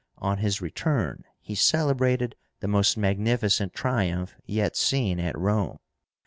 On his return he celebrated the most magnificent triumph yet seen at Rome.